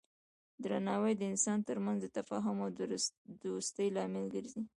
درناوی د انسانانو ترمنځ د تفاهم او دوستی لامل ګرځي.